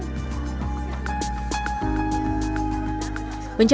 ibu cuma mendoakan aja